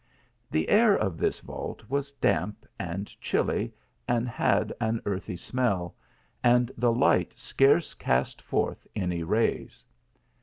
The air of this vault was clamp and chilly, and had an earthy smell, and the light scarce cast forth any rays.